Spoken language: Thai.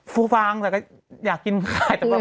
ฟูฟางแต่ก็อยากกินไข่